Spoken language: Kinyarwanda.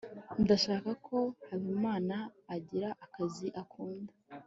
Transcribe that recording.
ndashaka ko habimana agira akazi akunda